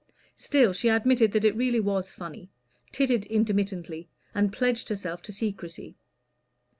Still she admitted that it really was funny, tittered intermittently, and pledged herself to secrecy.